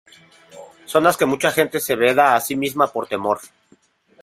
Zonas que mucha gente se veda a sí misma por temor".